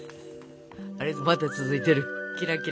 あれまだ続いてるキラキラが。